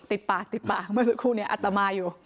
ติดปากติดปากเมื่อสักครู่นี้อัตมาอยู่